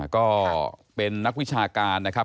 ก็เป็นนักวิชาการนะครับ